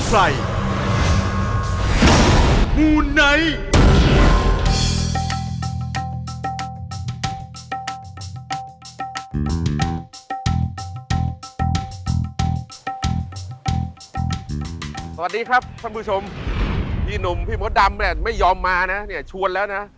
สวัสดีครับคุณผู้ชมพี่หนุ่มพี่หมดดำไม่ยอมมานะชวนแล้วนะ